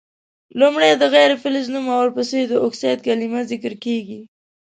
لومړی د غیر فلز نوم او ورپسي د اکسایډ کلمه ذکر کیږي.